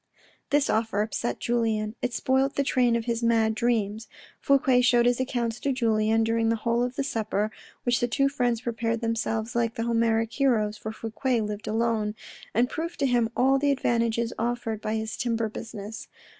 This offer upset Julien. It spoilt the train of his mad dreams. Fouque showed his accounts to Julien during the whole of the supper — which the two friends prepared themselves like the Homeric heroes (for Fouque lived alone) and proved to him all the advantages offered by his timber business.